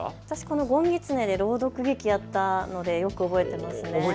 私、ごんぎつねで朗読劇やったのでよく覚えています。